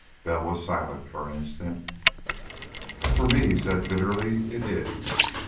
Bell was silent for an instant. "For me," he said bitterly, "it is.